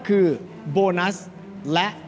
ขอบคุณครับ